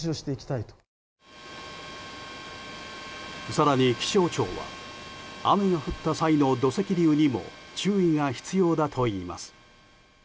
更に気象庁は雨が降った際の土石流にも注意が必要だといいます。